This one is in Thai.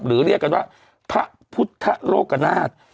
เรียกกันว่าพระพุทธโลกนาฏ